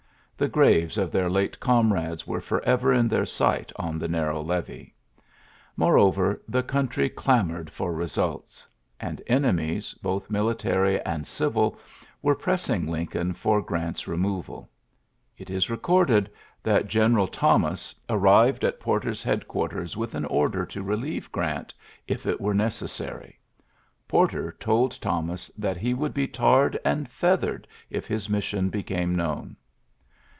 The graves of their late comrades were forever in their sight on the narrow levee. Moreover, the country clam oured for results; and enemies, both military and civil, were pressing Lin coln for Grant's removal. It is re corded that General Thomas arrived at 74 ULYSSES S. GEANT Porter's headqiiarters with an oi relieve Orant^ if it were nee Porter told Thomas that he wo tarred and feathered if his missi came known.